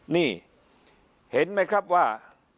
นี่เห็นไหมครับว่า